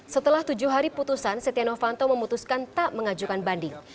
setelah tujuh hari putusan setia novanto memutuskan tak mengajukan banding